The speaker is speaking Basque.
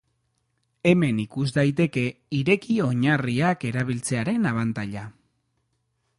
Hemen ikus daiteke ireki-oinarriak erabiltzearen abantaila.